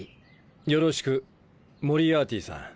よろしくモリアーティさん。